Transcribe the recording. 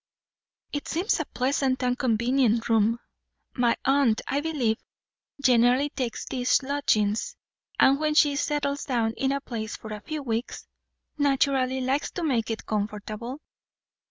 "It seems a pleasant and convenient room. My aunt, I believe, generally takes these lodgings; and when she settles down in a place for a few weeks, naturally likes to make it comfortable."